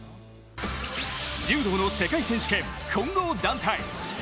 柔道の世界選手権混合団体。